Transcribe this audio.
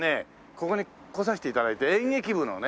ここに来させて頂いて演劇部のね